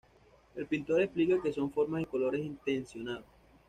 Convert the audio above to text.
El pintor explica que son formas y colores intencionados.